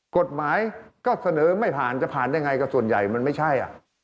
กฎหมายก็เสนอไม่ผ่านจะผ่านได้ไงก็ส่วนใหญ่มันไม่ใช่